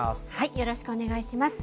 よろしくお願いします。